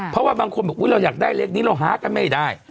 เพราะว่าบางคนบอกเราอยากได้เลขนี้เราหากันไม่ได้